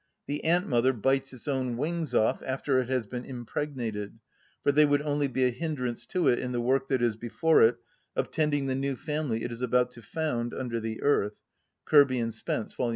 The ant‐mother bites its own wings off after it has been impregnated, for they would only be a hindrance to it in the work that is before it of tending the new family it is about to found under the earth (Kirby and Spence, vol.